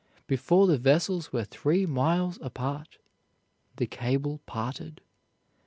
Before the vessels were three miles apart, the cable parted.